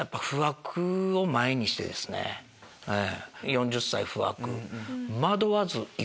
４０歳不惑。